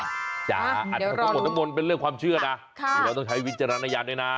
ทั้งหมดทั้งมวลเป็นเรื่องความเชื่อนะดูเราต้องใช้วิจารณญาณด้วยนะ